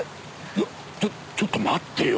いやちょっちょっと待ってよ。